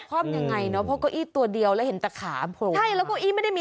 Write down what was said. คว่ำยังไงเนอะเพราะเก้าอี้ตัวเดียวแล้วเห็นแต่ขาโผล่ออกมา